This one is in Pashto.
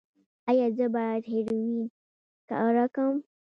ایا زه باید هیرویین وکاروم؟